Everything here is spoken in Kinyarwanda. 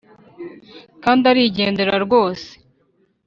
kandi arigendera rwose,